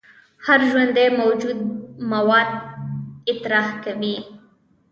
هر ژوندی موجود مواد اطراح کوي